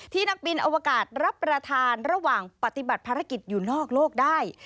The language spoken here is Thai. นักบินอวกาศรับประทานระหว่างปฏิบัติภารกิจอยู่นอกโลกได้